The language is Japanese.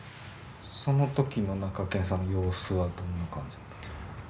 その時のなかけんさんの様子はどんな感じだったんですか？